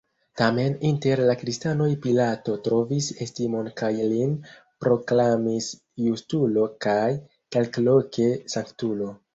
Tamen, inter la kristanoj Pilato trovis estimon kaj lin proklamis justulo kaj, kelkloke, sanktulo.